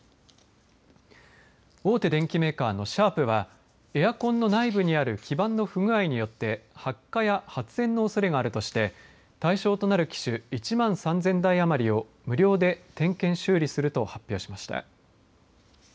大手電機メーカーのシャープはエアコンの内部にある基板の不具合によって発火や発煙のおそれがあるとして対象となる機種１万３０００台余りを無料で点検、修理すると発表しました。